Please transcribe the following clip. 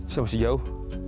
saya masih jauh